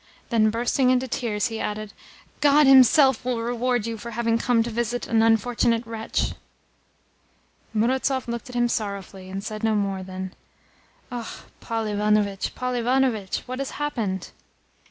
Then, bursting into tears, he added: "God Himself will reward you for having come to visit an unfortunate wretch!" Murazov looked at him sorrowfully, and said no more than "Ah, Paul Ivanovitch, Paul Ivanovitch! What has happened?"